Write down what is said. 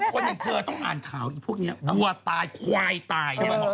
คนอย่างเธอต้องอ่านข่าวพวกนี้วัวตายควายตาย